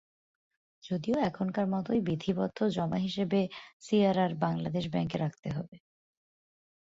যদিও এখনকার মতোই বিধিবদ্ধ জমা হিসেবে সিআরআর বাংলাদেশ ব্যাংকে রাখতে হবে।